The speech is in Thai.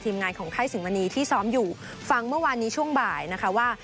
งานของค่ายสิงมณีที่ซ้อมอยู่ฟังเมื่อวานนี้ช่วงบ่ายนะคะว่า